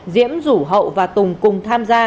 diễm rủ hậu và tùng cùng tham gia